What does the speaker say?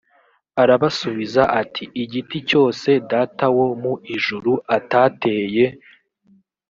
arabasubiza ati igiti cyose data wo mu ijuru atateye